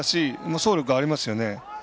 走力ありますよね。